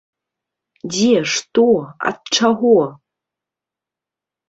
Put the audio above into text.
Дзе, што, ад чаго?